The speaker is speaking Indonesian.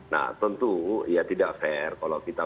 nah tentu ya tidak fair kalau kita